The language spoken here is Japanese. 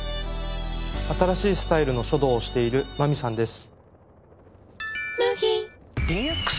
新しいスタイルの書道をしている万美さんです。